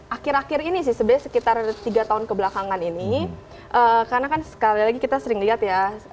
akhir akhir ini sih sebenarnya sekitar tiga tahun kebelakangan ini karena kan sekali lagi kita sering lihat ya